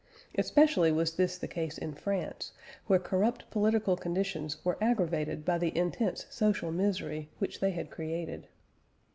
Especially was this the case in France, where corrupt political conditions were aggravated by the intense social misery which they had created.